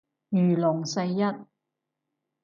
如龍世一